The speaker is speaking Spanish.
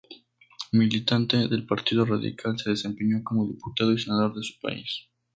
Militante del Partido Radical, se desempeñó como diputado y senador de su país.